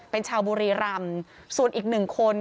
เป็นชาวบุรีรัมส่วนอีก๑คน